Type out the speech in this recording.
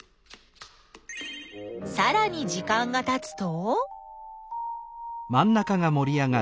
さらに時間がたつと。